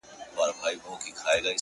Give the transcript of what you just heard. وختونه واوښتل اور ګډ سو د خانۍ په خونه-